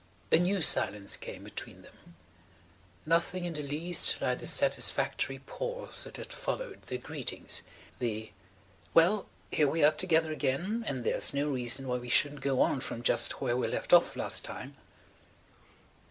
A new silence came between them. Nothing in the least like the satisfactory pause that had followed their greetings– the "Well, here we are together again, and there's no reason why we shouldn't go on from just where we left off last [Page 150] time."